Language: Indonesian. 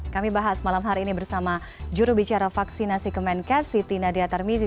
kami bahas malam hari ini bersama jurubicara vaksinasi kemenkes siti nadia tarmizi